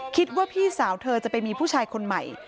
คิดว่าพี่สาวเธอจะไปมีผู้ชายคนใหม่